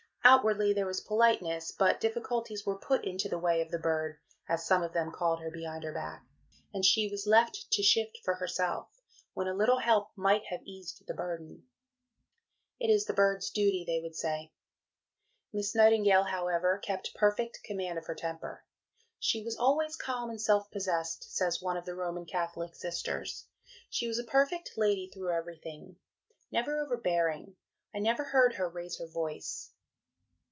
Outwardly, there was politeness; but difficulties were put into the way of "the Bird," as some of them called her behind her back, and she was left to shift for herself, when a little help might have eased the burden. "It is the Bird's duty," they would say. Miss Nightingale, however, kept perfect command of her temper. "She was always calm and self possessed," says one of the Roman Catholic Sisters; "she was a perfect lady through everything never overbearing. I never heard her raise her voice."